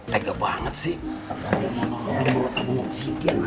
tega banget sih